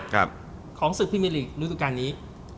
ของศึกพี่มิริกษ์รู้จักการนี้